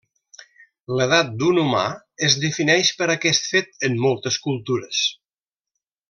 L'edat d'un humà es defineix per aquest fet en moltes cultures.